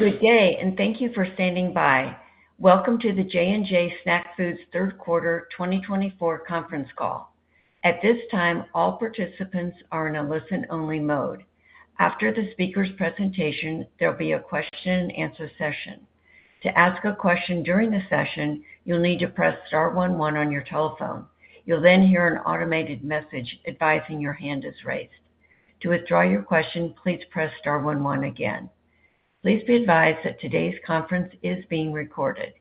Good day, and thank you for standing by. Welcome to the J&J Snack Foods Third Quarter 2024 Conference Call. At this time, all participants are in a listen-only mode. After the speaker's presentation, there'll be a question-and-answer session. To ask a question during the session, you'll need to press star one one on your telephone. You'll then hear an automated message advising your hand is raised. To withdraw your question, please press star one one again. Please be advised that today's conference is being recorded.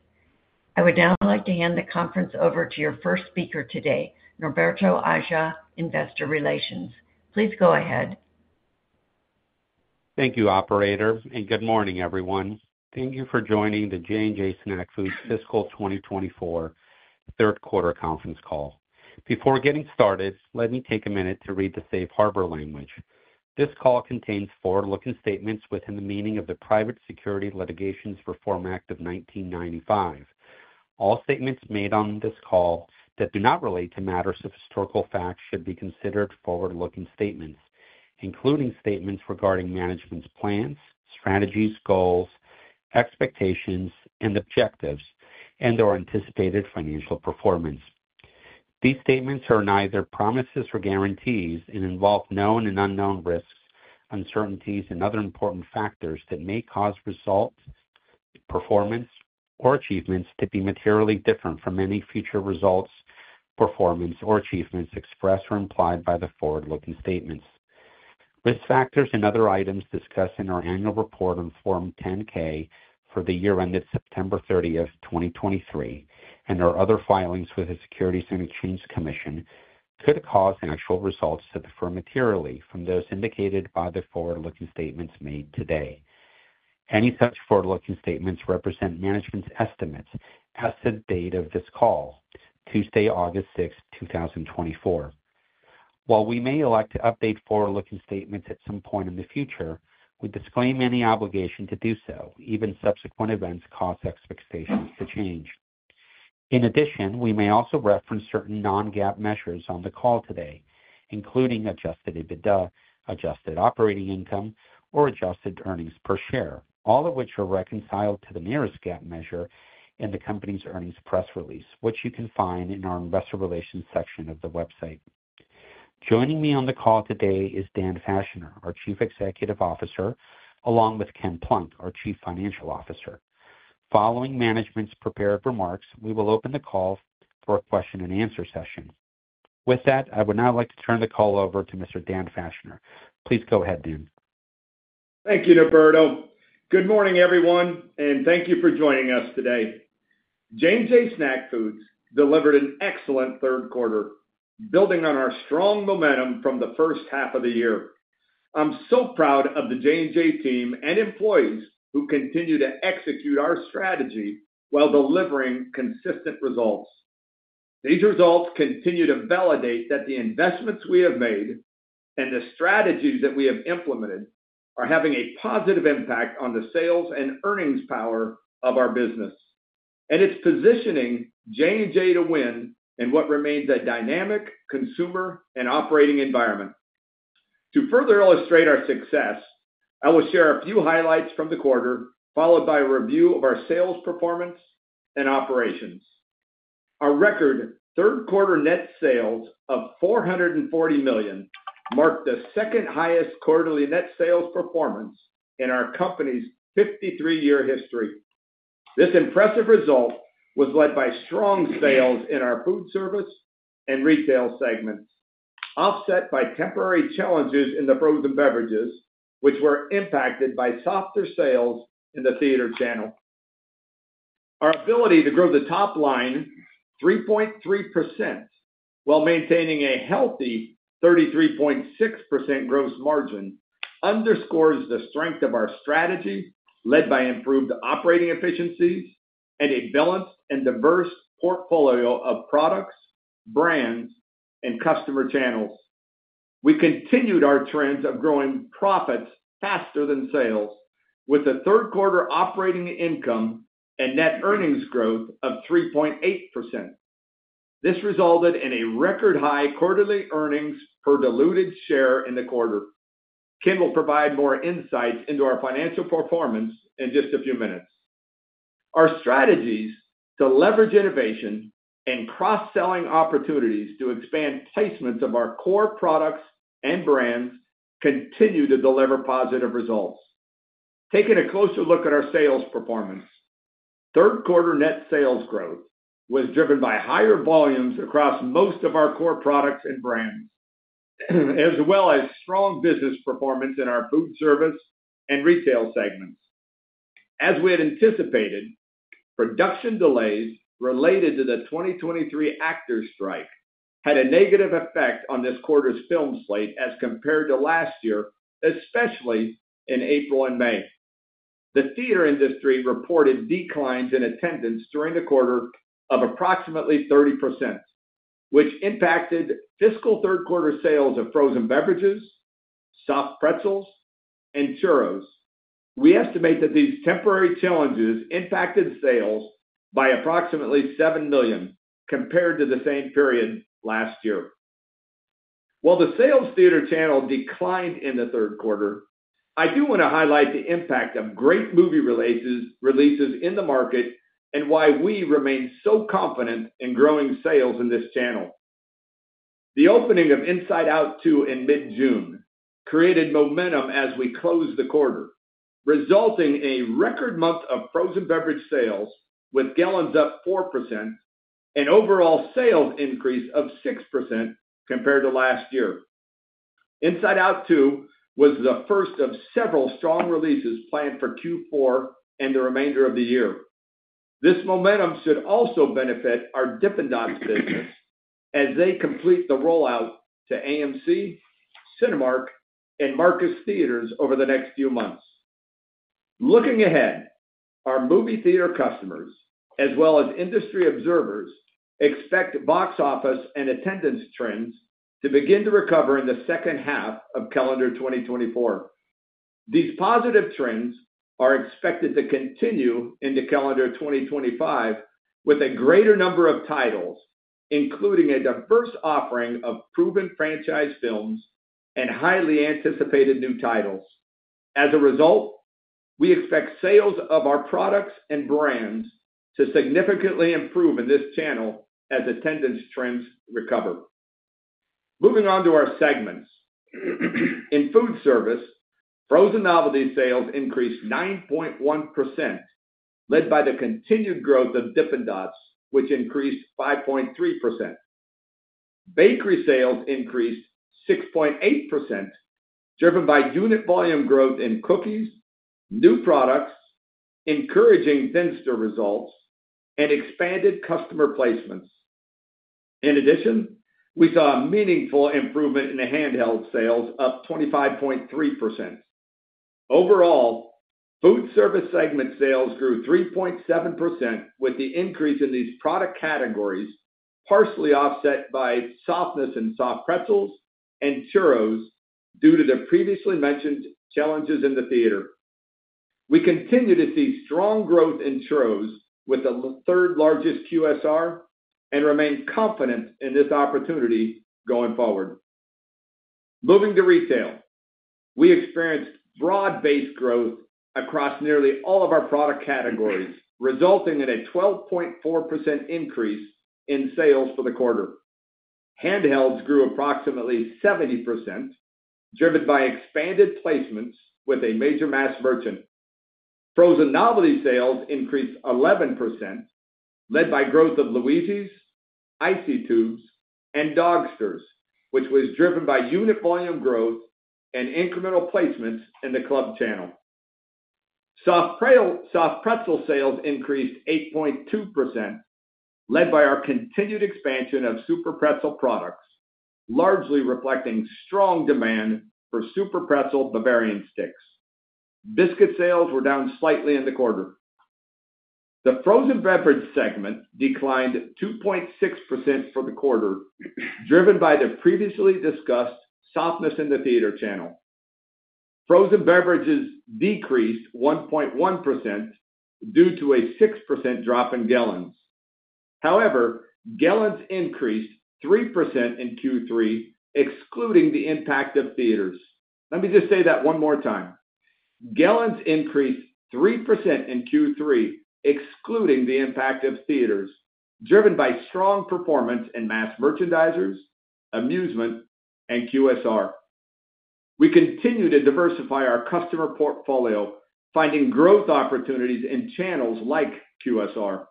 I would now like to hand the conference over to your first speaker today, Norberto Aja, Investor Relations. Please go ahead. Thank you, Operator, and good morning, everyone. Thank you for joining the J&J Snack Foods Fiscal 2024 Third Quarter conference call. Before getting started, let me take a minute to read the safe harbor language. This call contains forward-looking statements within the meaning of the Private Securities Litigation Reform Act of 1995. All statements made on this call that do not relate to matters of historical fact should be considered forward-looking statements, including statements regarding management's plans, strategies, goals, expectations, and objectives, and/or anticipated financial performance. These statements are neither promises nor guarantees and involve known and unknown risks, uncertainties, and other important factors that may cause results, performance, or achievements to be materially different from any future results, performance, or achievements expressed or implied by the forward-looking statements. Risk factors and other items discussed in our annual report on Form 10-K for the year ended September 30th, 2023, and our other filings with the Securities and Exchange Commission could cause actual results to differ materially from those indicated by the forward-looking statements made today. Any such forward-looking statements represent management's estimates as to the date of this call, Tuesday, August 6th, 2024. While we may elect to update forward-looking statements at some point in the future, we disclaim any obligation to do so. Even subsequent events cause expectations to change. In addition, we may also reference certain non-GAAP measures on the call today, including Adjusted EBITDA, adjusted operating income, or adjusted earnings per share, all of which are reconciled to the nearest GAAP measure in the company's earnings press release, which you can find in our Investor Relations section of the website. Joining me on the call today is Dan Fachner, our Chief Executive Officer, along with Ken Plunk, our Chief Financial Officer. Following management's prepared remarks, we will open the call for a question-and-answer session. With that, I would now like to turn the call over to Mr. Dan Fachner. Please go ahead, Dan. Thank you, Norberto. Good morning, everyone, and thank you for joining us today. J&J Snack Foods delivered an excellent third quarter, building on our strong momentum from the first half of the year. I'm so proud of the J&J team and employees who continue to execute our strategy while delivering consistent results. These results continue to validate that the investments we have made and the strategies that we have implemented are having a positive impact on the sales and earnings power of our business and its positioning J&J to win in what remains a dynamic consumer and operating environment. To further illustrate our success, I will share a few highlights from the quarter, followed by a review of our sales performance and operations. Our record third quarter net sales of $440 million marked the second highest quarterly net sales performance in our company's 53-year history. This impressive result was led by strong sales in our food service and retail segments, offset by temporary challenges in the frozen beverages, which were impacted by softer sales in the theater channel. Our ability to grow the top line 3.3% while maintaining a healthy 33.6% gross margin underscores the strength of our strategy led by improved operating efficiencies and a balanced and diverse portfolio of products, brands, and customer channels. We continued our trends of growing profits faster than sales with a third quarter operating income and net earnings growth of 3.8%. This resulted in a record high quarterly earnings per diluted share in the quarter. Ken will provide more insights into our financial performance in just a few minutes. Our strategies to leverage innovation and cross-selling opportunities to expand placements of our core products and brands continue to deliver positive results. Taking a closer look at our sales performance, third quarter net sales growth was driven by higher volumes across most of our core products and brands, as well as strong business performance in our food service and retail segments. As we had anticipated, production delays related to the 2023 actor strike had a negative effect on this quarter's film slate as compared to last year, especially in April and May. The theater industry reported declines in attendance during the quarter of approximately 30%, which impacted fiscal third quarter sales of frozen beverages, soft pretzels, and churros. We estimate that these temporary challenges impacted sales by approximately $7 million compared to the same period last year. While the sales theater channel declined in the third quarter, I do want to highlight the impact of great movie releases in the market and why we remain so confident in growing sales in this channel. The opening of Inside Out 2 in mid-June created momentum as we closed the quarter, resulting in a record month of frozen beverage sales with gallons up 4% and overall sales increase of 6% compared to last year. Inside Out 2 was the first of several strong releases planned for Q4 and the remainder of the year. This momentum should also benefit our Dippin' Dots business as they complete the rollout to AMC, Cinemark, and Marcus Theatres over the next few months. Looking ahead, our movie theater customers, as well as industry observers, expect box office and attendance trends to begin to recover in the second half of calendar 2024. These positive trends are expected to continue into calendar 2025 with a greater number of titles, including a diverse offering of proven franchise films and highly anticipated new titles. As a result, we expect sales of our products and brands to significantly improve in this channel as attendance trends recover. Moving on to our segments. In food service, frozen novelty sales increased 9.1%, led by the continued growth of Dippin' Dots, which increased 5.3%. Bakery sales increased 6.8%, driven by unit volume growth in cookies, new products, encouraging Thinsters results, and expanded customer placements. In addition, we saw a meaningful improvement in the handheld sales, up 25.3%. Overall, food service segment sales grew 3.7% with the increase in these product categories, partially offset by softness in soft pretzels and churros due to the previously mentioned challenges in the theater. We continue to see strong growth in churros, with the third largest QSR, and remain confident in this opportunity going forward. Moving to retail, we experienced broad-based growth across nearly all of our product categories, resulting in a 12.4% increase in sales for the quarter. Handhelds grew approximately 70%, driven by expanded placements with a major mass merchant. Frozen novelty sales increased 11%, led by growth of Luigi's, ICEE Tubes, and Dogsters, which was driven by unit volume growth and incremental placements in the club channel. Soft pretzel sales increased 8.2%, led by our continued expansion of SUPERPRETZEL products, largely reflecting strong demand for SUPERPRETZEL Bavarian Sticks. Biscuit sales were down slightly in the quarter. The frozen beverage segment declined 2.6% for the quarter, driven by the previously discussed softness in the theater channel. Frozen beverages decreased 1.1% due to a 6% drop in gallons. However, gallons increased 3% in Q3, excluding the impact of theaters. Let me just say that one more time. Gallons increased 3% in Q3, excluding the impact of theaters, driven by strong performance in mass merchandisers, amusement, and QSR. We continue to diversify our customer portfolio, finding growth opportunities in channels like QSR.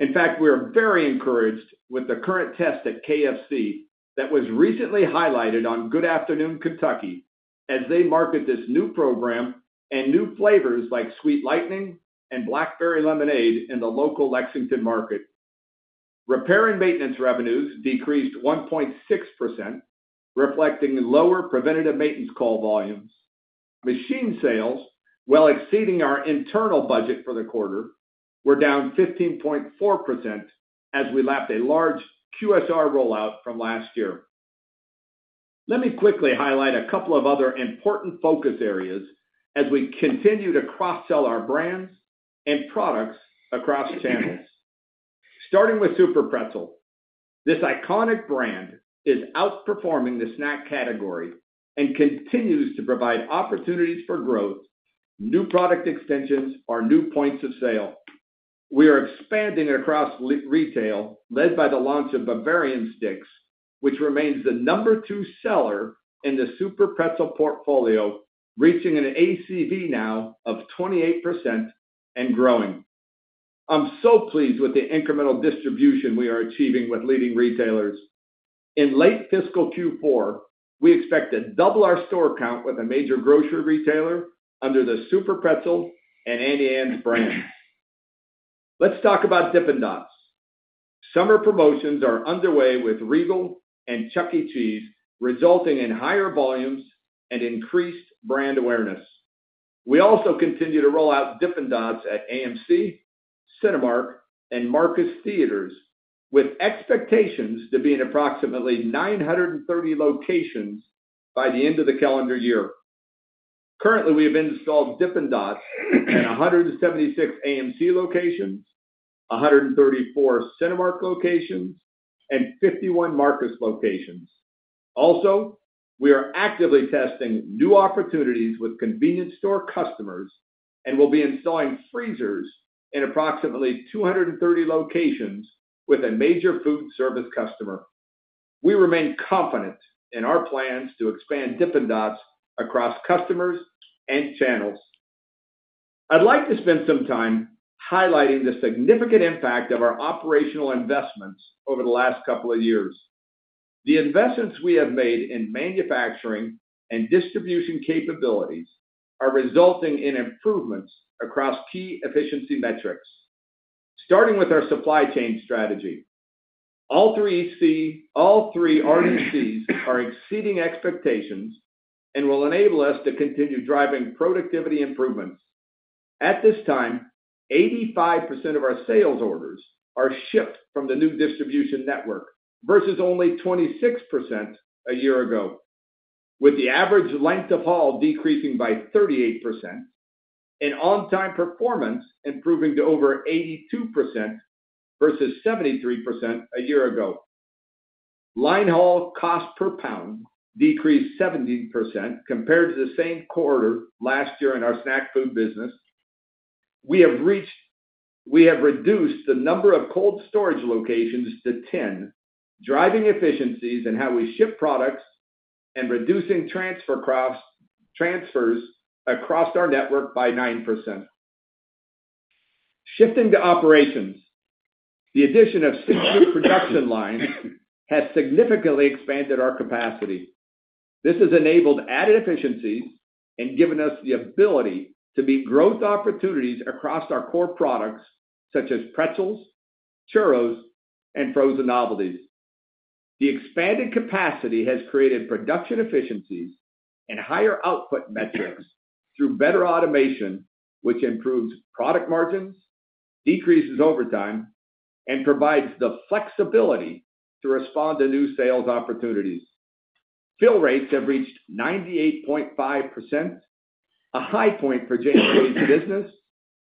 In fact, we are very encouraged with the current test at KFC that was recently highlighted on Good Afternoon Kentucky as they market this new program and new flavors like Sweet Lightning and Blackberry Lemonade in the local Lexington market. Repair and maintenance revenues decreased 1.6%, reflecting lower preventative maintenance call volumes. Machine sales, while exceeding our internal budget for the quarter, were down 15.4% as we lapped a large QSR rollout from last year. Let me quickly highlight a couple of other important focus areas as we continue to cross-sell our brands and products across channels. Starting with SUPERPRETZEL, this iconic brand is outperforming the snack category and continues to provide opportunities for growth, new product extensions, or new points of sale. We are expanding across retail, led by the launch of Bavarian Sticks, which remains the number two seller in the SUPERPRETZEL portfolio, reaching an ACV now of 28% and growing. I'm so pleased with the incremental distribution we are achieving with leading retailers. In late fiscal Q4, we expect to double our store count with a major grocery retailer under the SUPERPRETZEL and Auntie Anne's brands. Let's talk about Dippin' Dots. Summer promotions are underway with Regal and Chuck E. Cheese, resulting in higher volumes and increased brand awareness. We also continue to roll out Dippin' Dots at AMC, Cinemark, and Marcus Theatres, with expectations to be in approximately 930 locations by the end of the calendar year. Currently, we have installed Dippin' Dots at 176 AMC locations, 134 Cinemark locations, and 51 Marcus locations. Also, we are actively testing new opportunities with convenience store customers and will be installing freezers in approximately 230 locations with a major food service customer. We remain confident in our plans to expand Dippin' Dots across customers and channels. I'd like to spend some time highlighting the significant impact of our operational investments over the last couple of years. The investments we have made in manufacturing and distribution capabilities are resulting in improvements across key efficiency metrics, starting with our supply chain strategy. All three RDCs are exceeding expectations and will enable us to continue driving productivity improvements. At this time, 85% of our sales orders are shipped from the new distribution network versus only 26% a year ago, with the average length of haul decreasing by 38% and on-time performance improving to over 82% versus 73% a year ago. Line haul cost per pound decreased 17% compared to the same quarter last year in our snack food business. We have reduced the number of cold storage locations to 10, driving efficiencies in how we ship products and reducing transfers across our network by 9%. Shifting to operations, the addition of six new production lines has significantly expanded our capacity. This has enabled added efficiencies and given us the ability to meet growth opportunities across our core products, such as pretzels, churros, and frozen novelty. The expanded capacity has created production efficiencies and higher output metrics through better automation, which improves product margins, decreases overtime, and provides the flexibility to respond to new sales opportunities. Fill rates have reached 98.5%, a high point for J&J's business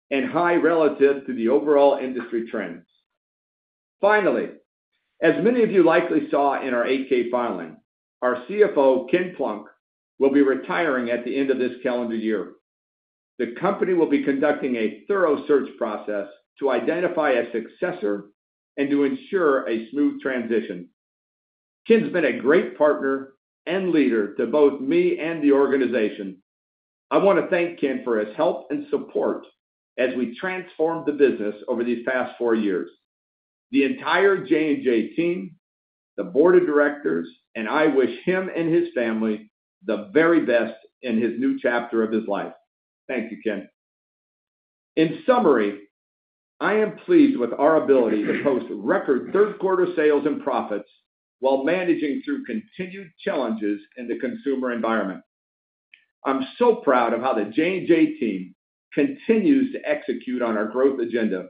and high relative to the overall industry trends. Finally, as many of you likely saw in our 8-K filing, our CFO, Ken Plunk, will be retiring at the end of this calendar year. The company will be conducting a thorough search process to identify a successor and to ensure a smooth transition. Ken's been a great partner and leader to both me and the organization. I want to thank Ken for his help and support as we transformed the business over these past four years. The entire J&J team, the board of directors, and I wish him and his family the very best in his new chapter of his life. Thank you, Ken. In summary, I am pleased with our ability to post record third quarter sales and profits while managing through continued challenges in the consumer environment. I'm so proud of how the J&J team continues to execute on our growth agenda.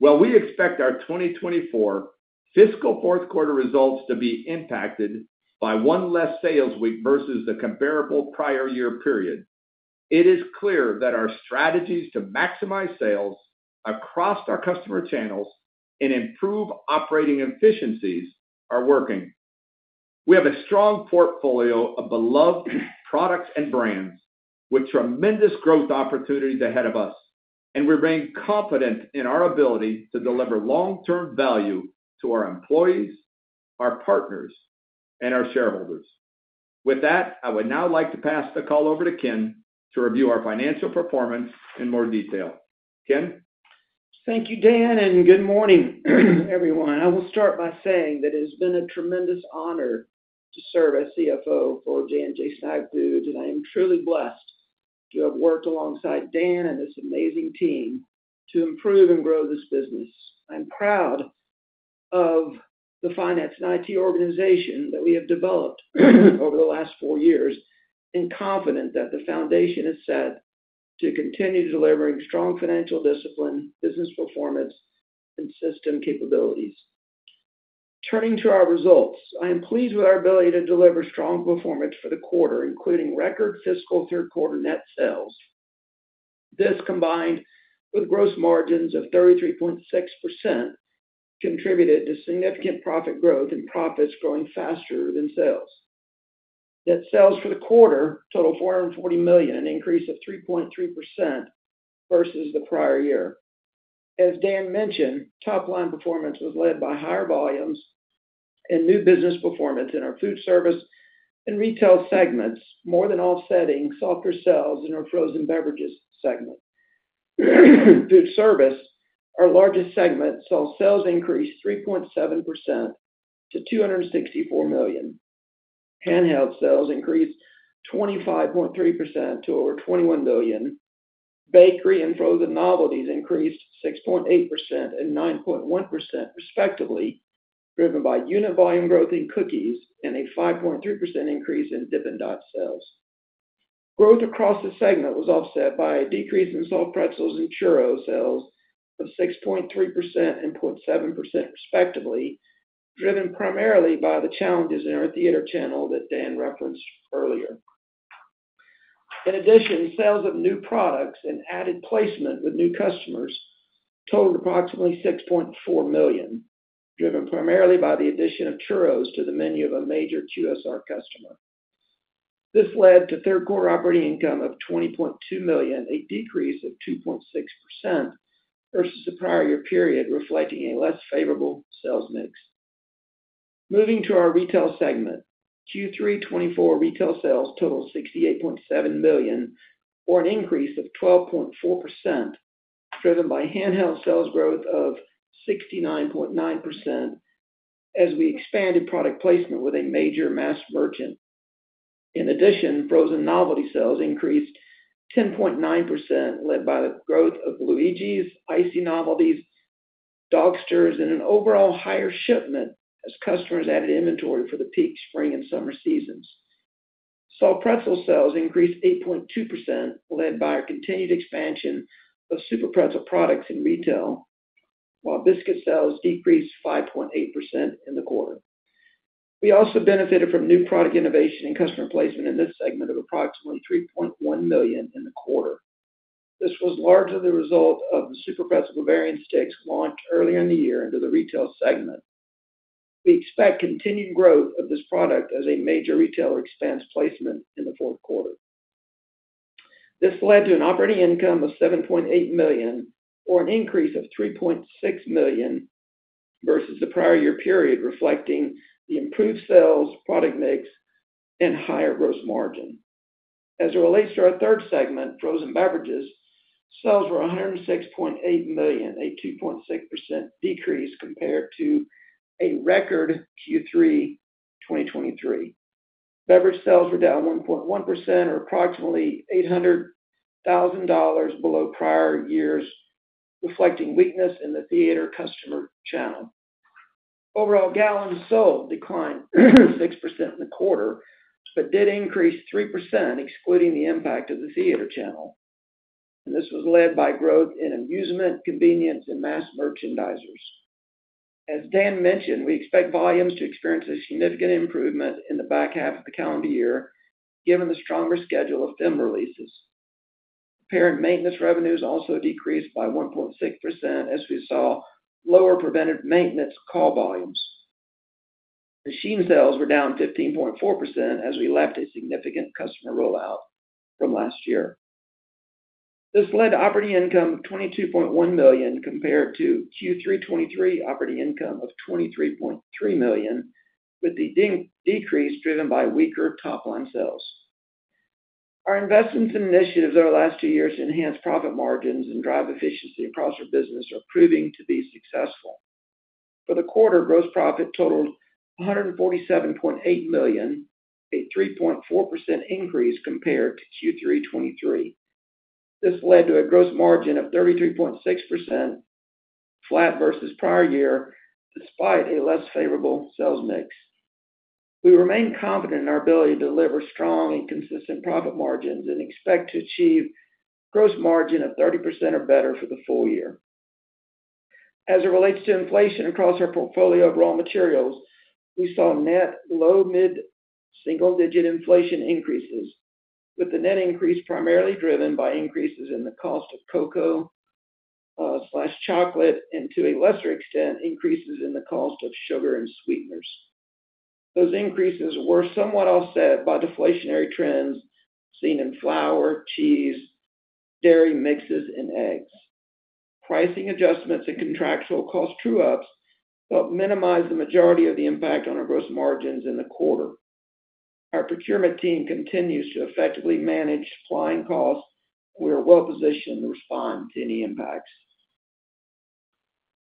While we expect our 2024 fiscal fourth quarter results to be impacted by one less sales week versus the comparable prior year period, it is clear that our strategies to maximize sales across our customer channels and improve operating efficiencies are working. We have a strong portfolio of beloved products and brands with tremendous growth opportunities ahead of us, and we remain confident in our ability to deliver long-term value to our employees, our partners, and our shareholders. With that, I would now like to pass the call over to Ken to review our financial performance in more detail. Ken. Thank you, Dan, and good morning, everyone. I will start by saying that it has been a tremendous honor to serve as CFO for J&J Snack Foods, and I am truly blessed to have worked alongside Dan and this amazing team to improve and grow this business. I'm proud of the finance and IT organization that we have developed over the last four years and confident that the foundation is set to continue delivering strong financial discipline, business performance, and system capabilities. Turning to our results, I am pleased with our ability to deliver strong performance for the quarter, including record fiscal third quarter net sales. This, combined with gross margins of 33.6%, contributed to significant profit growth and profits growing faster than sales. Net sales for the quarter totaled $440 million, an increase of 3.3% versus the prior year. As Dan mentioned, top-line performance was led by higher volumes and new business performance in our food service and retail segments, more than offsetting softer sales in our frozen beverages segment. Food service, our largest segment, saw sales increase 3.7% to $264 million. Handheld sales increased 25.3% to over $21 million. Bakery and frozen novelty increased 6.8% and 9.1%, respectively, driven by unit volume growth in cookies and a 5.3% increase in Dippin' Dots sales. Growth across the segment was offset by a decrease in soft pretzels and churros sales of 6.3% and 0.7%, respectively, driven primarily by the challenges in our theater channel that Dan referenced earlier. In addition, sales of new products and added placement with new customers totaled approximately $6.4 million, driven primarily by the addition of churros to the menu of a major QSR customer. This led to third quarter operating income of $20.2 million, a decrease of 2.6% versus the prior year period, reflecting a less favorable sales mix. Moving to our retail segment, Q3 2024 retail sales totaled $68.7 million, or an increase of 12.4%, driven by handheld sales growth of 69.9% as we expanded product placement with a major mass merchant. In addition, frozen novelty sales increased 10.9%, led by the growth of Luigi's, ICEE Novelties, Dogsters, and an overall higher shipment as customers added inventory for the peak spring and summer seasons. Soft pretzel sales increased 8.2%, led by our continued expansion of SUPERPRETZEL products in retail, while biscuit sales decreased 5.8% in the quarter. We also benefited from new product innovation and customer placement in this segment of approximately $3.1 million in the quarter. This was largely the result of the SUPERPRETZEL Bavarian Sticks launched earlier in the year into the retail segment. We expect continued growth of this product as a major retailer expands placement in the fourth quarter. This led to an operating income of $7.8 million, or an increase of $3.6 million versus the prior year period, reflecting the improved sales, product mix, and higher gross margin. As it relates to our third segment, frozen beverages, sales were $106.8 million, a 2.6% decrease compared to a record Q3 2023. Beverage sales were down 1.1%, or approximately $800,000 below prior years, reflecting weakness in the theater customer channel. Overall, gallons sold declined 6% in the quarter but did increase 3%, excluding the impact of the theater channel. This was led by growth in amusement, convenience, and mass merchandisers. As Dan mentioned, we expect volumes to experience a significant improvement in the back half of the calendar year given the stronger schedule of film releases. Equipment maintenance revenues also decreased by 1.6% as we saw lower preventative maintenance call volumes. Machine sales were down 15.4% as we lapped a significant customer rollout from last year. This led to operating income of $22.1 million compared to Q3 2023 operating income of $23.3 million, with the decrease driven by weaker top-line sales. Our investments and initiatives over the last two years to enhance profit margins and drive efficiency across our business are proving to be successful. For the quarter, gross profit totaled $147.8 million, a 3.4% increase compared to Q3 2023. This led to a gross margin of 33.6%, flat versus prior year, despite a less favorable sales mix. We remain confident in our ability to deliver strong and consistent profit margins and expect to achieve gross margin of 30% or better for the full year. As it relates to inflation across our portfolio of raw materials, we saw net, low, mid, single-digit inflation increases, with the net increase primarily driven by increases in the cost of cocoa/chocolate and, to a lesser extent, increases in the cost of sugar and sweeteners. Those increases were somewhat offset by deflationary trends seen in flour, cheese, dairy mixes, and eggs. Pricing adjustments and contractual cost true-ups helped minimize the majority of the impact on our gross margins in the quarter. Our procurement team continues to effectively manage supplying costs. We are well-positioned to respond to any impacts.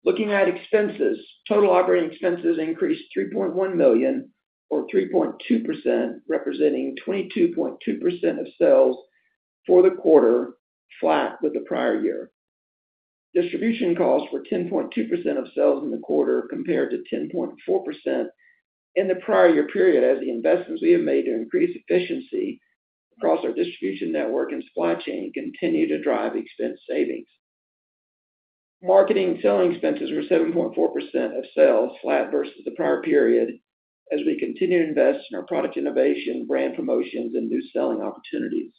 Looking at expenses, total operating expenses increased $3.1 million, or 3.2%, representing 22.2% of sales for the quarter, flat with the prior year. Distribution costs were 10.2% of sales in the quarter compared to 10.4% in the prior year period as the investments we have made to increase efficiency across our distribution network and supply chain continue to drive expense savings. Marketing and selling expenses were 7.4% of sales, flat versus the prior period, as we continue to invest in our product innovation, brand promotions, and new selling opportunities.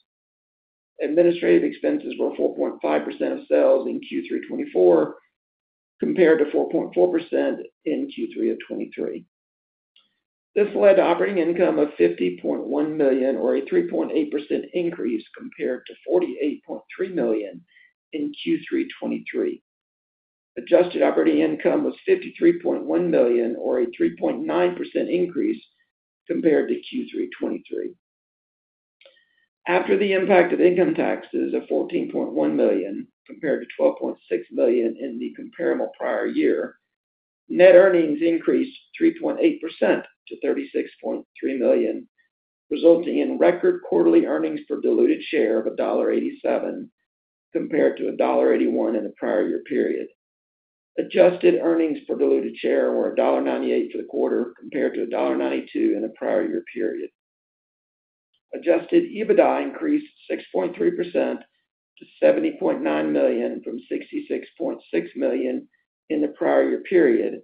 Administrative expenses were 4.5% of sales in Q3 2024 compared to 4.4% in Q3 of 2023. This led to operating income of $50.1 million, or a 3.8% increase compared to $48.3 million in Q3 2023. Adjusted operating income was $53.1 million, or a 3.9% increase compared to Q3 2023. After the impact of income taxes of $14.1 million compared to $12.6 million in the comparable prior year, net earnings increased 3.8% to $36.3 million, resulting in record quarterly earnings per diluted share of $1.87 compared to $1.81 in the prior year period. Adjusted earnings per diluted share were $1.98 for the quarter compared to $1.92 in the prior year period. Adjusted EBITDA increased 6.3% to $70.9 million from $66.6 million in the prior year period,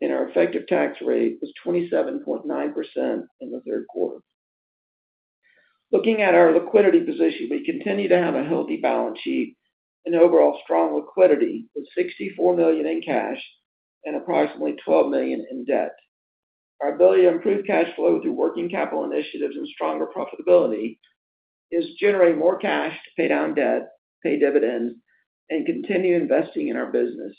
and our effective tax rate was 27.9% in the third quarter. Looking at our liquidity position, we continue to have a healthy balance sheet and overall strong liquidity with $64 million in cash and approximately $12 million in debt. Our ability to improve cash flow through working capital initiatives and stronger profitability is generating more cash to pay down debt, pay dividends, and continue investing in our business.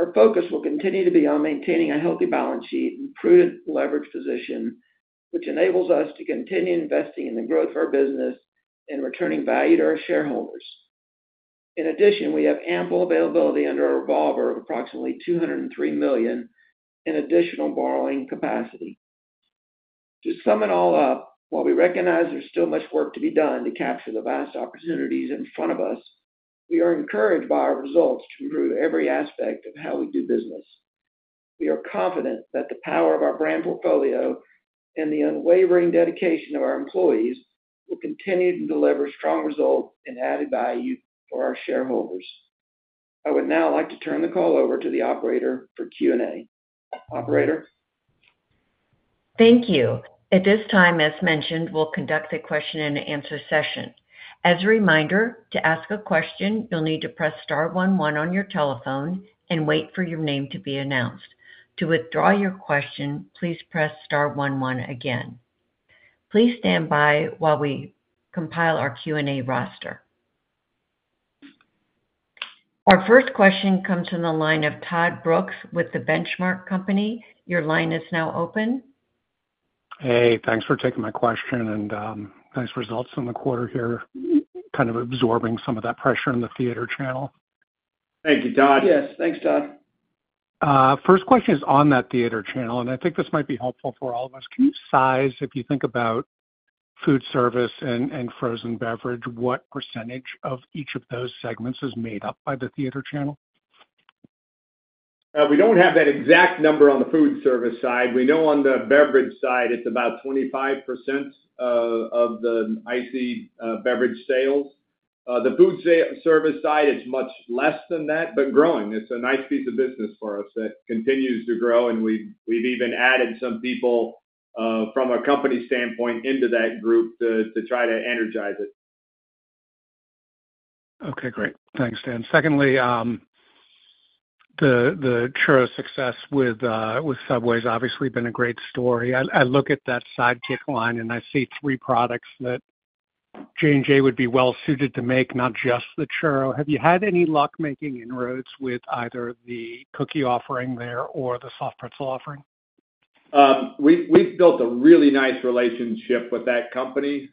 Our focus will continue to be on maintaining a healthy balance sheet and prudent leverage position, which enables us to continue investing in the growth of our business and returning value to our shareholders. In addition, we have ample availability under our revolver of approximately $203 million in additional borrowing capacity. To sum it all up, while we recognize there's still much work to be done to capture the vast opportunities in front of us, we are encouraged by our results to improve every aspect of how we do business. We are confident that the power of our brand portfolio and the unwavering dedication of our employees will continue to deliver strong results and added value for our shareholders. I would now like to turn the call over to the operator for Q&A. Operator. Thank you. At this time, as mentioned, we'll conduct a question-and-answer session. As a reminder, to ask a question, you'll need to press star one one on your telephone and wait for your name to be announced. To withdraw your question, please press star one one again. Please stand by while we compile our Q&A roster. Our first question comes from the line of Todd Brooks with The Benchmark Company. Your line is now open. Hey, thanks for taking my question and nice results in the quarter here, kind of absorbing some of that pressure in the theater channel. Thank you, Todd. Yes, thanks, Todd. First question is on that theater channel, and I think this might be helpful for all of us. Can you size, if you think about food service and frozen beverage, what percentage of each of those segments is made up by the theater channel? We don't have that exact number on the food service side. We know on the beverage side, it's about 25% of the ICEE beverage sales. The food service side, it's much less than that, but growing. It's a nice piece of business for us that continues to grow, and we've even added some people from a company standpoint into that group to try to energize it. Okay, great. Thanks, Dan. Secondly, the churro success with Subway has obviously been a great story. I look at that Sidekicks line, and I see three products that J&J would be well-suited to make, not just the churro. Have you had any luck making inroads with either the cookie offering there or the soft pretzel offering? We've built a really nice relationship with that company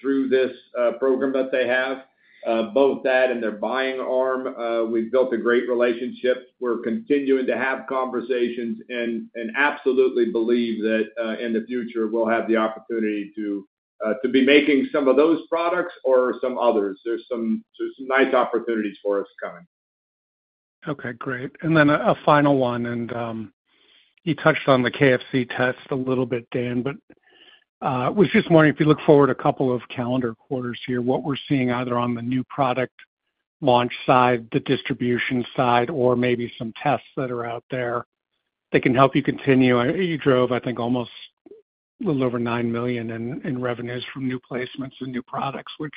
through this program that they have, both that and their buying arm. We've built a great relationship. We're continuing to have conversations and absolutely believe that in the future we'll have the opportunity to be making some of those products or some others. There's some nice opportunities for us coming. Okay, great. And then a final one, and you touched on the KFC test a little bit, Dan, but I was just wondering if you look forward a couple of calendar quarters here, what we're seeing either on the new product launch side, the distribution side, or maybe some tests that are out there that can help you continue. You drove, I think, almost a little over $9 million in revenues from new placements and new products, which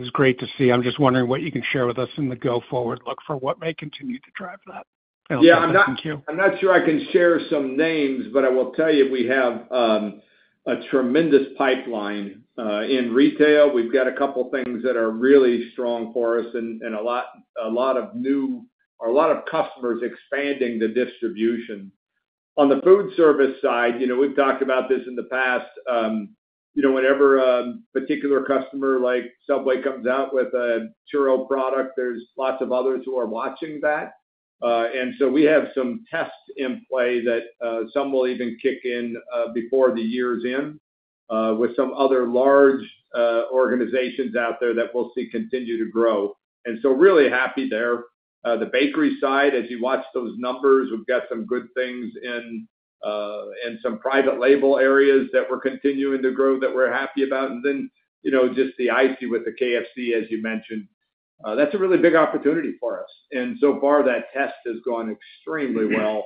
is great to see. I'm just wondering what you can share with us in the go-forward look for what may continue to drive that. Yeah, I'm not sure I can share some names, but I will tell you we have a tremendous pipeline in retail. We've got a couple of things that are really strong for us and a lot of new or a lot of customers expanding the distribution. On the food service side, we've talked about this in the past. Whenever a particular customer like Subway comes out with a churro product, there's lots of others who are watching that. And so we have some tests in play that some will even kick in before the year's end with some other large organizations out there that we'll see continue to grow. And so really happy there. The bakery side, as you watch those numbers, we've got some good things in some private label areas that we're continuing to grow that we're happy about. And then just the ICEE with the KFC, as you mentioned, that's a really big opportunity for us. And so far, that test has gone extremely well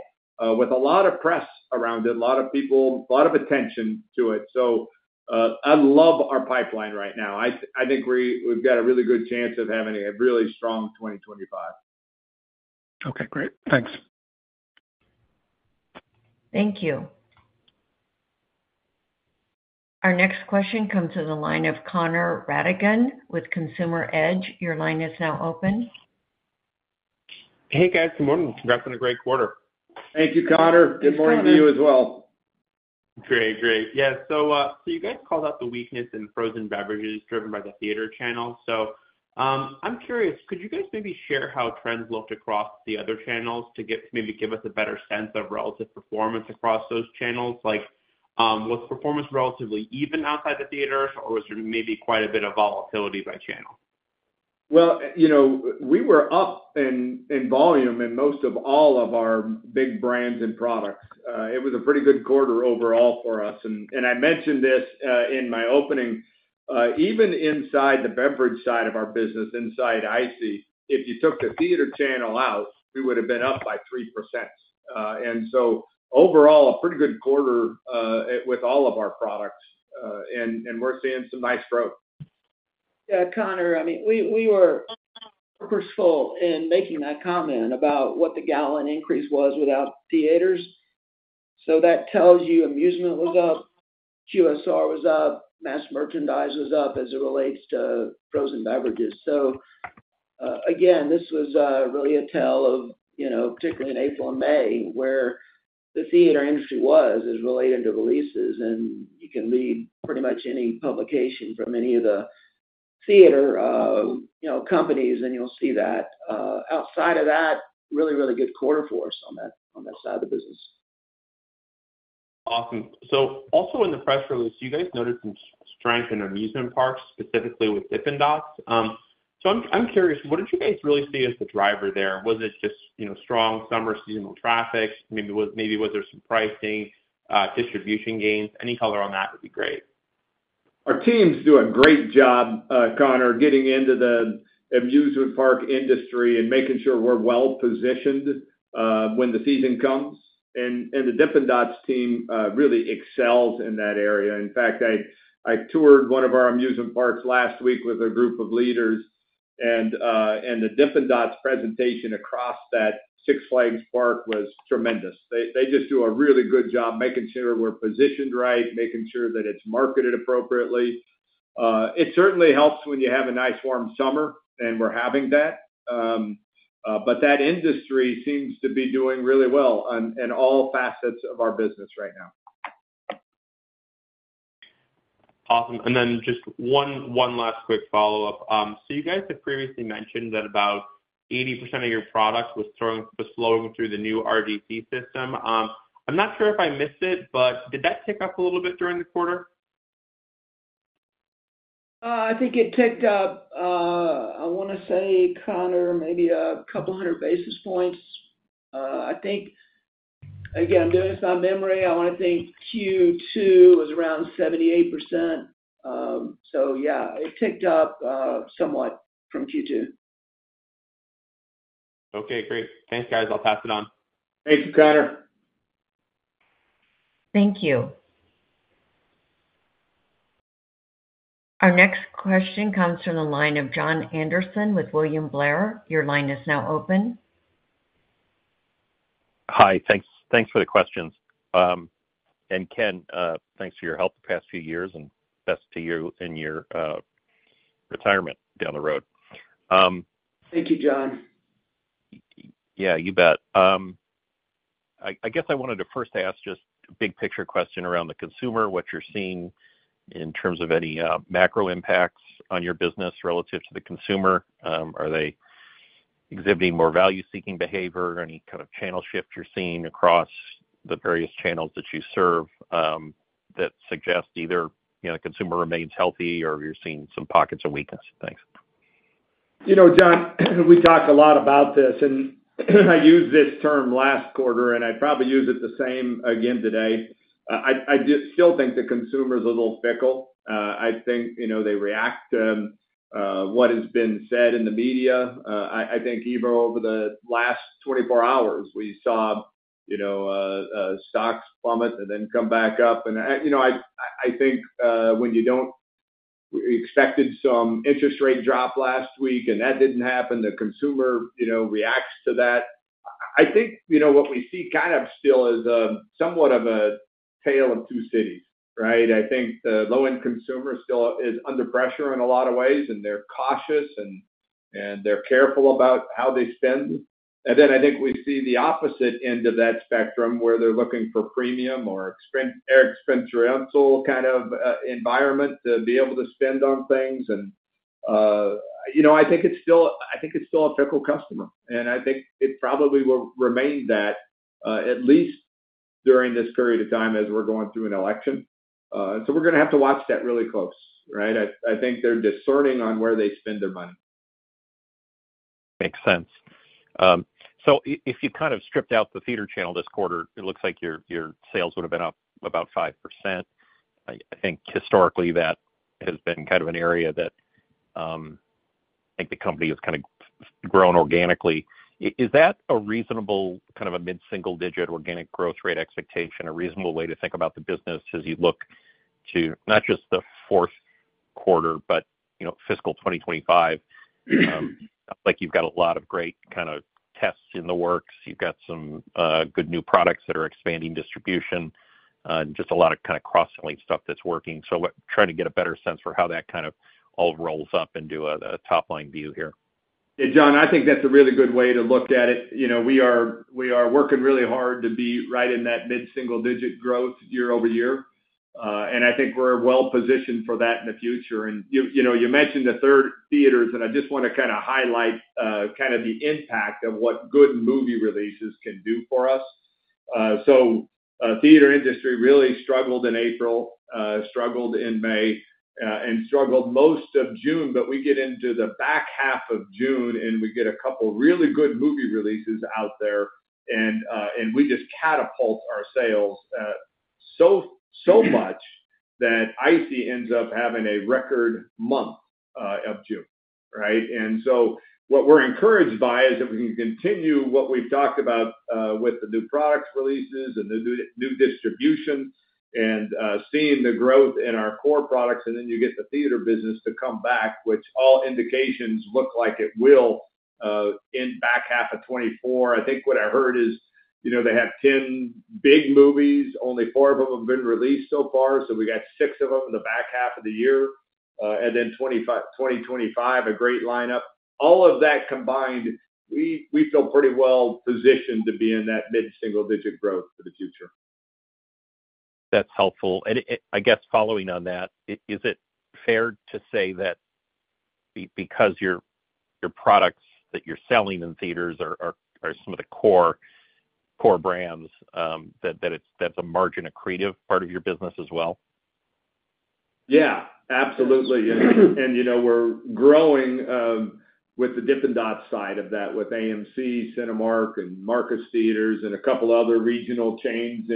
with a lot of press around it, a lot of people, a lot of attention to it. So I love our pipeline right now. I think we've got a really good chance of having a really strong 2025. Okay, great. Thanks. Thank you. Our next question comes to the line of Connor Rattigan with Consumer Edge. Your line is now open. Hey, guys. Good morning. Congrats on a great quarter. Thank you, Connor. Good morning to you as well. Great, great. Yeah. So you guys called out the weakness in frozen beverages driven by the theater channel. So I'm curious, could you guys maybe share how trends looked across the other channels to maybe give us a better sense of relative performance across those channels? Was performance relatively even outside the theaters, or was there maybe quite a bit of volatility by channel? Well, we were up in volume in most of all of our big brands and products. It was a pretty good quarter overall for us. I mentioned this in my opening. Even inside the beverage side of our business, inside ICEE, if you took the theater channel out, we would have been up by 3%. Overall, a pretty good quarter with all of our products, and we're seeing some nice growth. Yeah, Connor, I mean, we were purposeful in making that comment about what the gallon increase was without theaters. So that tells you amusement was up, QSR was up, mass merchandise was up as it relates to frozen beverages. So again, this was really a tell of, particularly in April and May, where the theater industry was as related to releases. And you can read pretty much any publication from any of the theater companies, and you'll see that. Outside of that, really, really good quarter for us on that side of the business. Awesome. So also in the press release, you guys noted some strength in amusement parks, specifically with Dippin' Dots. So I'm curious, what did you guys really see as the driver there? Was it just strong summer seasonal traffic? Maybe was there some pricing, distribution gains? Any color on that would be great. Our team's doing a great job, Connor, getting into the amusement park industry and making sure we're well-positioned when the season comes. The Dippin' Dots team really excels in that area. In fact, I toured one of our amusement parks last week with a group of leaders, and the Dippin' Dots presentation across that Six Flags park was tremendous. They just do a really good job making sure we're positioned right, making sure that it's marketed appropriately. It certainly helps when you have a nice warm summer, and we're having that. But that industry seems to be doing really well in all facets of our business right now. Awesome. Then just one last quick follow-up. So you guys had previously mentioned that about 80% of your product was flowing through the new RDC system. I'm not sure if I missed it, but did that tick up a little bit during the quarter? I think it ticked up, I want to say, Connor, maybe a couple hundred basis points. I think, again, I'm doing this by memory. I want to think Q2 was around 78%. So yeah, it ticked up somewhat from Q2. Okay, great. Thanks, guys. I'll pass it on. Thank you, Connor. Thank you. Our next question comes from the line of Jon Andersen with William Blair. Your line is now open. Hi. Thanks for the questions. Ken, thanks for your help the past few years and best to you in your retirement down the road. Thank you, Jon. Yeah, you bet. I guess I wanted to first ask just a big picture question around the consumer, what you're seeing in terms of any macro impacts on your business relative to the consumer. Are they exhibiting more value-seeking behavior or any kind of channel shift you're seeing across the various channels that you serve that suggest either the consumer remains healthy or you're seeing some pockets of weakness? Thanks. Jon, we talked a lot about this, and I used this term last quarter, and I'd probably use it the same again today. I still think the consumer is a little fickle. I think they react to what has been said in the media. I think even over the last 24 hours, we saw stocks plummet and then come back up. And I think when you didn't expect some interest rate drop last week and that didn't happen, the consumer reacts to that. I think what we see kind of still is somewhat of a tale of two cities, right? I think the low-end consumer still is under pressure in a lot of ways, and they're cautious, and they're careful about how they spend. And then I think we see the opposite end of that spectrum where they're looking for premium or experiential kind of environment to be able to spend on things. And I think it's still a fickle customer, and I think it probably will remain that at least during this period of time as we're going through an election. So we're going to have to watch that really close, right? I think they're discerning on where they spend their money. Makes sense. So if you kind of stripped out the theater channel this quarter, it looks like your sales would have been up about 5%. I think historically that has been kind of an area that I think the company has kind of grown organically. Is that a reasonable kind of a mid-single-digit organic growth rate expectation, a reasonable way to think about the business as you look to not just the fourth quarter, but fiscal 2025? It sounds like you've got a lot of great kind of tests in the works. You've got some good new products that are expanding distribution, just a lot of kind of cross-selling stuff that's working. So trying to get a better sense for how that kind of all rolls up into a top-line view here. Yeah, Jon, I think that's a really good way to look at it. We are working really hard to be right in that mid-single-digit growth year-over-year. And I think we're well-positioned for that in the future. You mentioned the theater, and I just want to kind of highlight kind of the impact of what good movie releases can do for us. So the theater industry really struggled in April, struggled in May, and struggled most of June. But we get into the back half of June, and we get a couple of really good movie releases out there, and we just catapult our sales so much that ICEE ends up having a record month of June, right? And so what we're encouraged by is that we can continue what we've talked about with the new product releases and the new distribution and seeing the growth in our core products. And then you get the theater business to come back, which all indications look like it will in the back half of 2024. I think what I heard is they have 10 big movies. Only four of them have been released so far. So we got six of them in the back half of the year. And then 2025, a great lineup. All of that combined, we feel pretty well-positioned to be in that mid-single-digit growth for the future. That's helpful. And I guess following on that, is it fair to say that because your products that you're selling in theaters are some of the core brands, that's a margin accretive part of your business as well? Yeah, absolutely. And we're growing with the Dippin' Dots side of that with AMC, Cinemark, and Marcus Theatres, and a couple of other regional chains.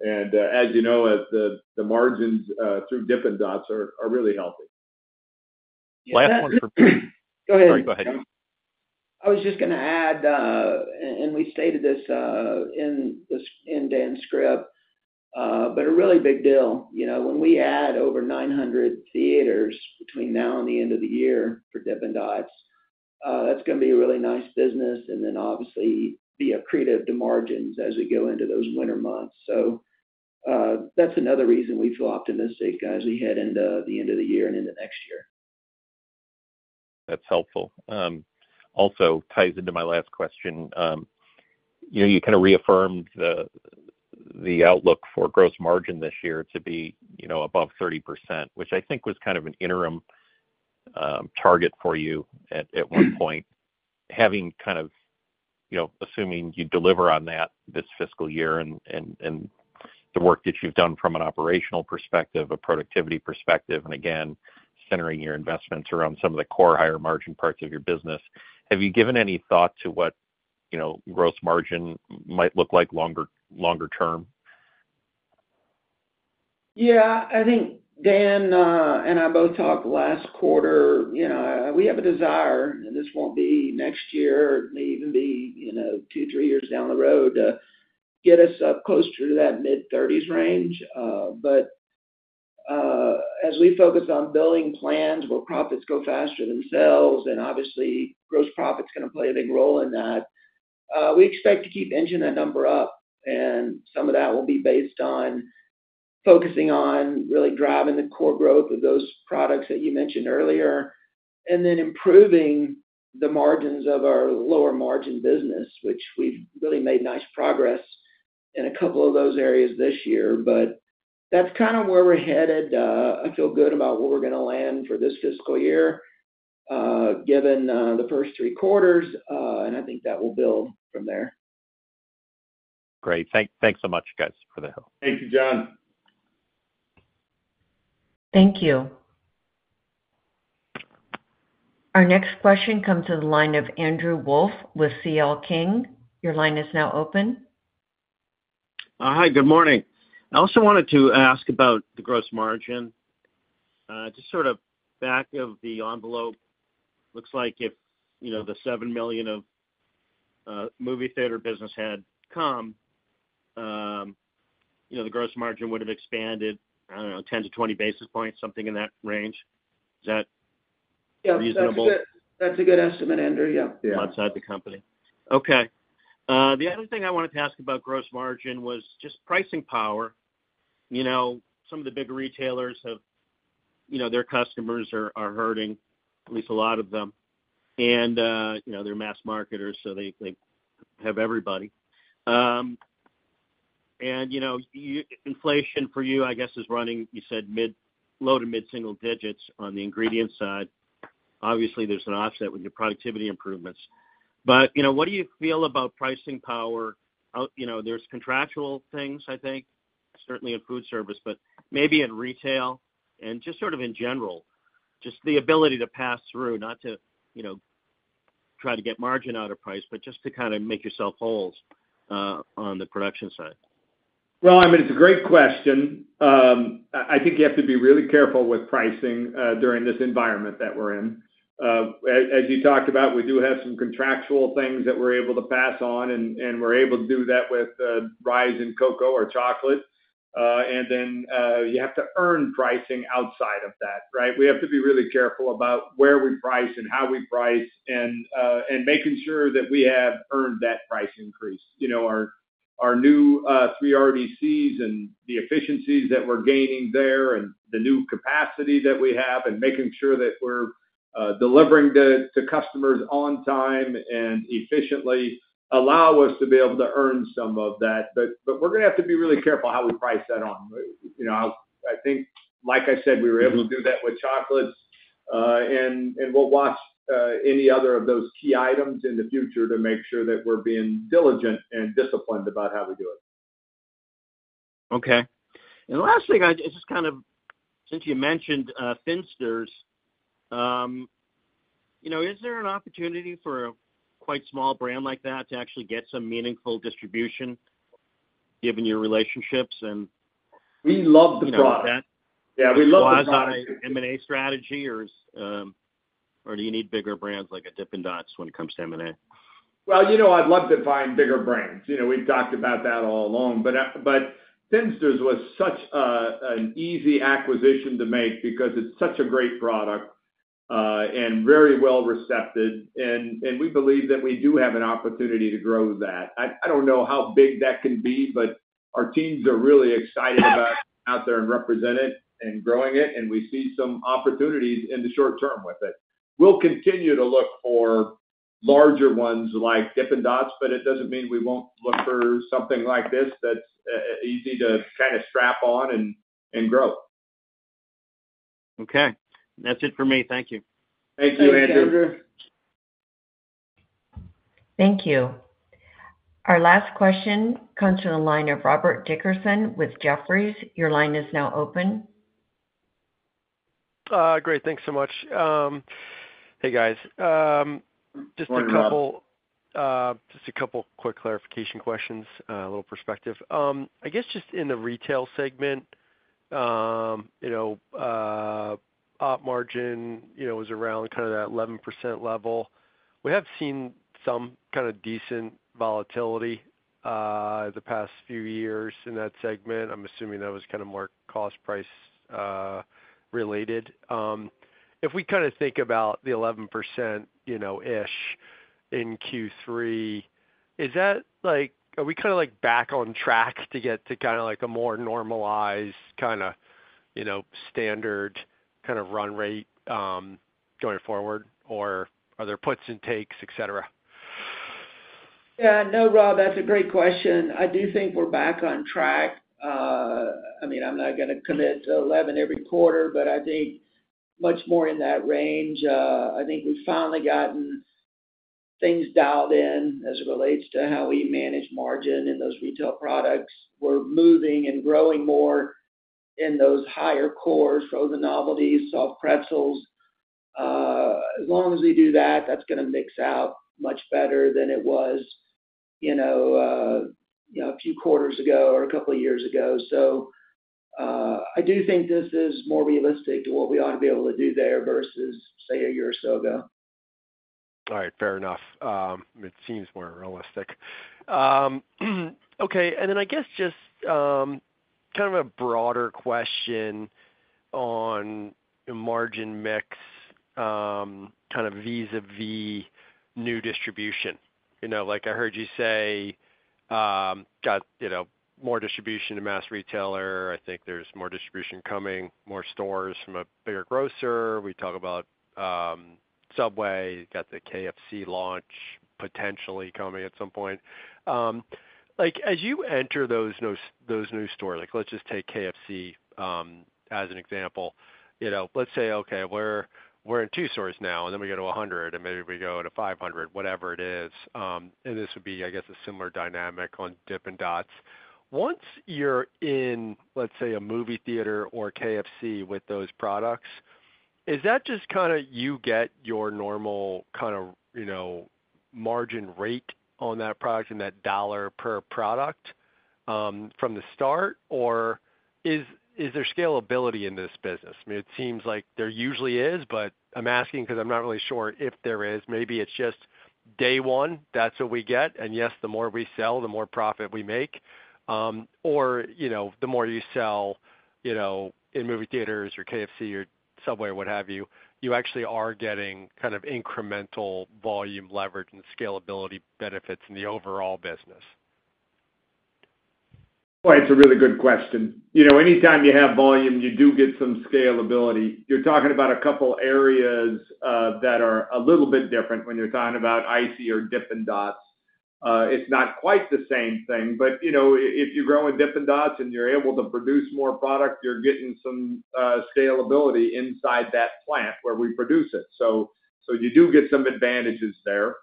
And as you know, the margins through Dippin' Dots are really healthy. Last one for—go ahead. Sorry, go ahead. I was just going to add, and we stated this in Dan's script, but a really big deal. When we add over 900 theaters between now and the end of the year for Dippin' Dots, that's going to be a really nice business and then obviously be accretive to margins as we go into those winter months. So that's another reason we feel optimistic as we head into the end of the year and into next year. That's helpful. Also ties into my last question. You kind of reaffirmed the outlook for gross margin this year to be above 30%, which I think was kind of an interim target for you at one point. Having kind of assuming you deliver on that this fiscal year and the work that you've done from an operational perspective, a productivity perspective, and again, centering your investments around some of the core higher margin parts of your business, have you given any thought to what gross margin might look like longer term? Yeah. I think Dan and I both talked last quarter. We have a desire, and this won't be next year, may even be two, three years down the road, to get us up closer to that mid-30s range. But as we focus on building plans where profits grow faster than sales, and obviously gross profit's going to play a big role in that, we expect to keep inching that number up. And some of that will be based on focusing on really driving the core growth of those products that you mentioned earlier, and then improving the margins of our lower margin business, which we've really made nice progress in a couple of those areas this year. But that's kind of where we're headed. I feel good about where we're going to land for this fiscal year given the first three quarters, and I think that will build from there. Great. Thanks so much, guys, for the help. Thank you, Jon. Thank you. Our next question comes to the line of Andrew Wolf with C.L. King. Your line is now open. Hi, good morning. I also wanted to ask about the gross margin. Just sort of back of the envelope, looks like if the $7 million of movie theater business had come, the gross margin would have expanded, I don't know, 10-20 basis points, something in that range. Is that reasonable? Yeah, that's a good estimate, Andrew. Yeah. Outside the company. Okay. The other thing I wanted to ask about gross margin was just pricing power. Some of the big retailers have their customers are hurting, at least a lot of them. And they're mass marketers, so they have everybody. And inflation for you, I guess, is running, you said, low to mid-single digits on the ingredient side. Obviously, there's an offset with your productivity improvements. But what do you feel about pricing power? There's contractual things, I think, certainly in food service, but maybe in retail and just sort of in general, just the ability to pass through, not to try to get margin out of price, but just to kind of make yourself whole on the production side. Well, I mean, it's a great question. I think you have to be really careful with pricing during this environment that we're in. As you talked about, we do have some contractual things that we're able to pass on, and we're able to do that with rise in cocoa or chocolate. And then you have to earn pricing outside of that, right? We have to be really careful about where we price and how we price and making sure that we have earned that price increase. Our new three RDCs and the efficiencies that we're gaining there and the new capacity that we have and making sure that we're delivering to customers on time and efficiently allow us to be able to earn some of that. But we're going to have to be really careful how we price that on. I think, like I said, we were able to do that with chocolates, and we'll watch any other of those key items in the future to make sure that we're being diligent and disciplined about how we do it. Okay. And the last thing, just kind of since you mentioned Thinsters, is there an opportunity for a quite small brand like that to actually get some meaningful distribution given your relationships and. We love the product. Yeah, we love the product. M&A strategy, or do you need bigger brands like a Dippin' Dots when it comes to M&A? Well, I'd love to find bigger brands. We've talked about that all along. But Thinsters was such an easy acquisition to make because it's such a great product and very well-received. And we believe that we do have an opportunity to grow that. I don't know how big that can be, but our teams are really excited about being out there and representing and growing it, and we see some opportunities in the short term with it. We'll continue to look for larger ones like Dippin' Dots, but it doesn't mean we won't look for something like this that's easy to kind of strap on and grow. Okay. That's it for me. Thank you. Thank you, Andrew. Thank you, Andrew. Thank you. Our last question comes from the line of Robert Dickerson with Jefferies. Your line is now open. Great. Thanks so much. Hey, guys. Just a couple quick clarification questions, a little perspective. I guess just in the retail segment, op margin was around kind of that 11% level. We have seen some kind of decent volatility the past few years in that segment. I'm assuming that was kind of more cost-price related. If we kind of think about the 11%-ish in Q3, are we kind of back on track to get to kind of a more normalized kind of standard kind of run rate going forward, or are there puts and takes, etc.? Yeah. No, Rob, that's a great question. I do think we're back on track. I mean, I'm not going to commit to 11 every quarter, but I think much more in that range. I think we've finally gotten things dialed in as it relates to how we manage margin in those retail products. We're moving and growing more in those higher cores, frozen novelties, soft pretzels. As long as we do that, that's going to mix out much better than it was a few quarters ago or a couple of years ago. So I do think this is more realistic to what we ought to be able to do there versus, say, a year or so ago. All right. Fair enough. It seems more realistic. Okay. And then I guess just kind of a broader question on margin mix kind of vis-à-vis new distribution. I heard you say got more distribution to mass retailer. I think there's more distribution coming, more stores from a bigger grocer. We talk about Subway, got the KFC launch potentially coming at some point. As you enter those new stores, let's just take KFC as an example. Let's say, okay, we're in two stores now, and then we go to 100, and maybe we go to 500, whatever it is. And this would be, I guess, a similar dynamic on Dippin' Dots. Once you're in, let's say, a movie theater or KFC with those products, is that just kind of you get your normal kind of margin rate on that product and that dollar per product from the start, or is there scalability in this business? I mean, it seems like there usually is, but I'm asking because I'm not really sure if there is. Maybe it's just day one, that's what we get. And yes, the more we sell, the more profit we make. Or the more you sell in movie theaters or KFC or Subway or what have you, you actually are getting kind of incremental volume leverage and scalability benefits in the overall business. Well, it's a really good question. Anytime you have volume, you do get some scalability. You're talking about a couple of areas that are a little bit different when you're talking about ICEE or Dippin' Dots. It's not quite the same thing, but if you're growing Dippin' Dots and you're able to produce more product, you're getting some scalability inside that plant where we produce it. So you do get some advantages there.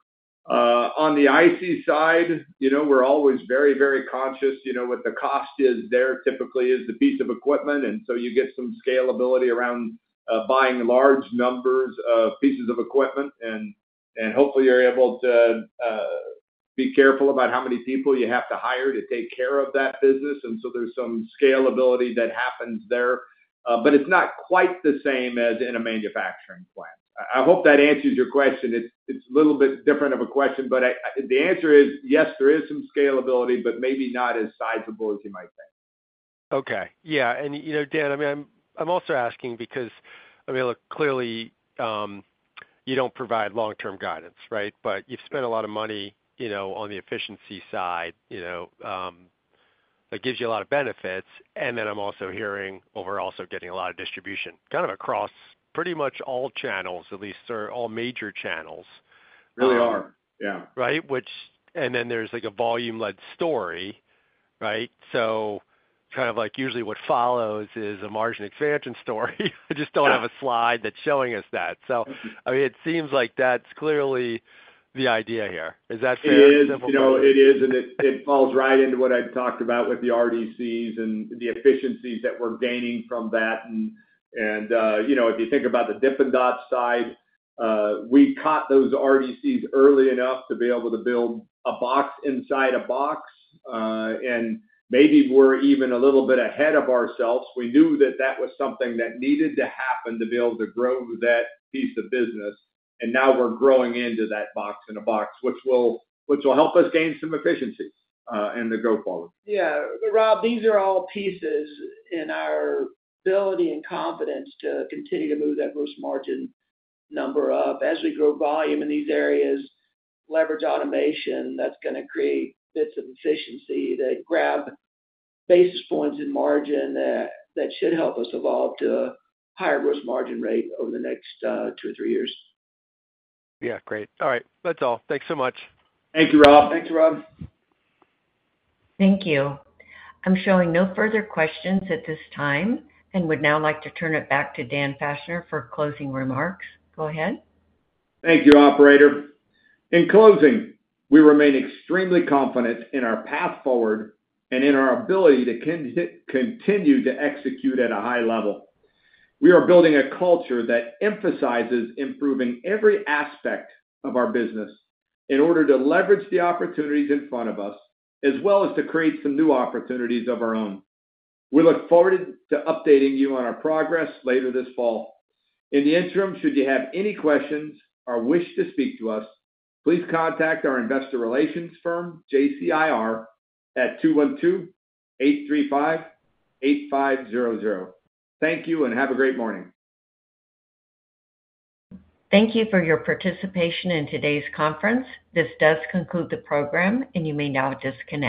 On the ICEE side, we're always very, very conscious what the cost is there. Typically, it's the piece of equipment, and so you get some scalability around buying large numbers of pieces of equipment. Hopefully, you're able to be careful about how many people you have to hire to take care of that business. So there's some scalability that happens there, but it's not quite the same as in a manufacturing plant. I hope that answers your question. It's a little bit different of a question, but the answer is, yes, there is some scalability, but maybe not as sizable as you might think. Okay. Yeah. And Dan, I mean, I'm also asking because, I mean, look, clearly, you don't provide long-term guidance, right? But you've spent a lot of money on the efficiency side that gives you a lot of benefits. And then I'm also hearing or also getting a lot of distribution kind of across pretty much all channels, at least all major channels. Really are. Yeah. Right? And then there's a volume-led story, right? So kind of usually what follows is a margin expansion story. I just don't have a slide that's showing us that. So I mean, it seems like that's clearly the idea here. Is that fair? It is. It is. It falls right into what I've talked about with the RDCs and the efficiencies that we're gaining from that. And if you think about the Dippin' Dots side, we caught those RDCs early enough to be able to build a box inside a box. And maybe we're even a little bit ahead of ourselves. We knew that that was something that needed to happen to be able to grow that piece of business. And now we're growing into that box in a box, which will help us gain some efficiencies and the growth volume. Yeah. Rob, these are all pieces in our ability and confidence to continue to move that gross margin number up as we grow volume in these areas, leverage automation that's going to create bits of efficiency that grab basis points in margin that should help us evolve to a higher gross margin rate over the next two or three years. Yeah. Great. All right. That's all. Thanks so much. Thank you, Rob. Thanks, Rob. Thank you. I'm showing no further questions at this time and would now like to turn it back to Dan Fachner for closing remarks. Go ahead. Thank you, operator. In closing, we remain extremely confident in our path forward and in our ability to continue to execute at a high level. We are building a culture that emphasizes improving every aspect of our business in order to leverage the opportunities in front of us, as well as to create some new opportunities of our own. We look forward to updating you on our progress later this fall. In the interim, should you have any questions or wish to speak to us, please contact our investor relations firm, JCIR, at 212-835-8500. Thank you and have a great morning. Thank you for your participation in today's conference. This does conclude the program, and you may now disconnect.